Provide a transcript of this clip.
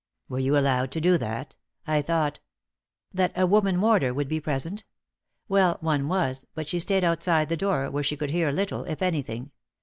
"Were you allowed to do that? I thought " "That a woman warder would be present? Well, one was, but she stayed outside the door, where she could hear little, if anything.